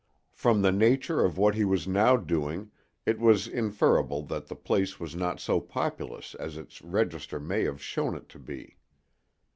From the nature of what he was now doing it was inferable that the place was not so populous as its register may have shown it to be.